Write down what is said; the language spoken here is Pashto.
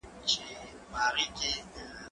زه به اوږده موده کتابتوننۍ سره وخت تېره کړی وم!.